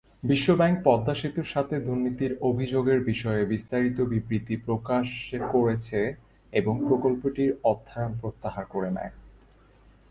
বিশ্বব্যাংক পদ্মা সেতুর সাথে দুর্নীতির অভিযোগের বিষয়ে বিস্তারিত বিবৃতি প্রকাশ করেছে এবং প্রকল্পটির অর্থায়ন প্রত্যাহার করে নেয়।